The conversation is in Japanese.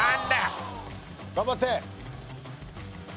頑張って！